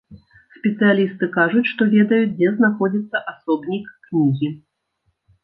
Спецыялісты кажуць, што ведаюць, дзе знаходзіцца асобнік кнігі.